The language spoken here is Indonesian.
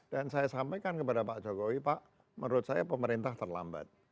dan saya sampaikan kepada pak jokowi pak menurut saya pemerintah terlambat